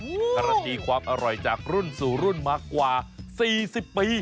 การันตีความอร่อยจากรุ่นสู่รุ่นมากว่า๔๐ปี